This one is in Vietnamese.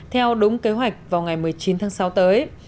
theo đúng kế hoạch vào ngày một mươi chín tháng sáu tới